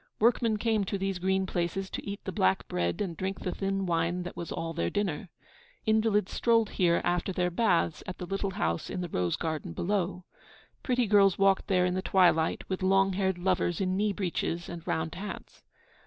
Workmen came to these green places to eat the black bread and drink the thin wine that was all their dinner. Invalids strolled here after their baths at the little house in the rose garden below. Pretty girls walked there in the twilight with long haired lovers in knee breeches and round hats.